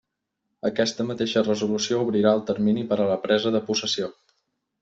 Aquesta mateixa resolució obrirà el termini per a la presa de possessió.